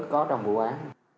có trong vụ án